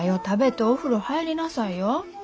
食べてお風呂入りなさいよ。